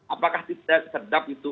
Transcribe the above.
apakah tidak sedap itu